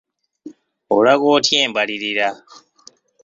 Olaga otya embalirira?